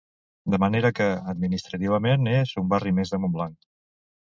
De manera que, administrativament, és un barri més de Montblanc.